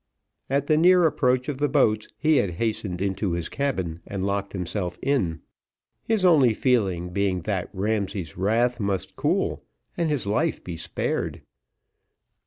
At the near approach of the boats he had hastened into his cabin and locked himself in; his only feeling being, that Ramsay's wrath must cool, and his life be spared.